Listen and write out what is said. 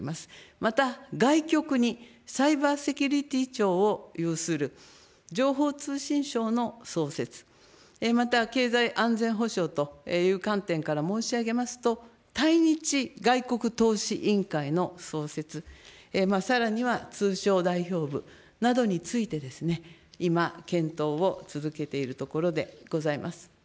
また外局にサイバーセキュリティー庁を有する情報通信省の創設、また経済安全保障という観点から申し上げますと、対日外国投資委員会の創設、さらには通商代表部などについて、今、検討を続けているところでございます。